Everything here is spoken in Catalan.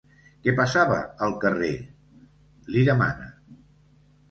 Què passava, al carrer? —li demana.